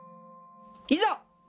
いざ！